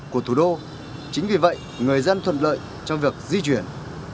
của thủ đô chính vì vậy người dân thuận lợi trong việc di chuyển